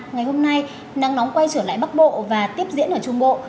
ngày hôm nay nắng nóng quay trở lại bắc bộ và tiếp diễn ở trung bộ